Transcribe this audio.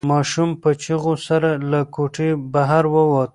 ماشوم په چیغو سره له کوټې بهر ووت.